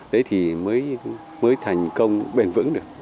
đấy thì mới thành công bền vững được